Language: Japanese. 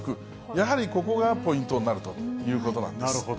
やはりここがポイントになるということなんです。